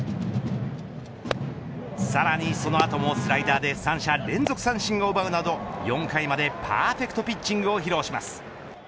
さらにその後もスライダーで三者連続三振を奪うなど４回までパーフェクトピッチングを披露します。